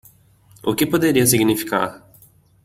O que poderia significar?